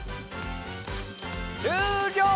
しゅうりょう！